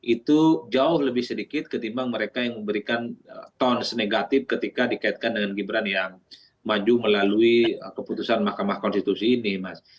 itu jauh lebih sedikit ketimbang mereka yang memberikan tone negatif ketika dikaitkan dengan gibran yang maju melalui keputusan mahkamah konstitusi ini mas